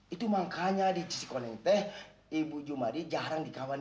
itu makanya di cikoneng teh ibu jumadi jarang berhubung